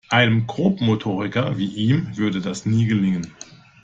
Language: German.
Einem Grobmotoriker wie ihm würde das nie gelingen.